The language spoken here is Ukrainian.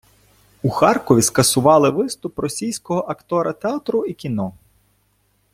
У Харкові скасували виступ російського актора театру і кіно.